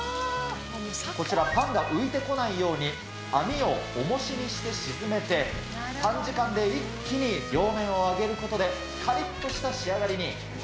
こちら、パンが浮いてこないように、網をおもしにして沈めて、短時間で一気に両面を揚げることで、かりっとした仕上がりに。